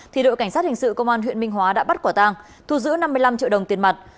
thì đội cảnh sát hình sự công an huyện minh hóa đã bắt quả tang thu giữ năm mươi năm triệu đồng tiền mặt